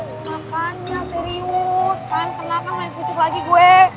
kenapa serius kan kenapa main fisik lagi gue